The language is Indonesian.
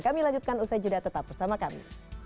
kami lanjutkan usai jeda tetap bersama kami